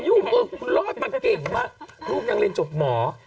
เออคุณรอดมาเก่งมากลูกยังเรียนจบหมอ